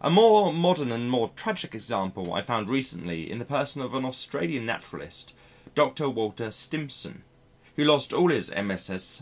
A more modern and more tragic example I found recently in the person of an Australian naturalist, Dr. Walter Stimpson, who lost all his MSS.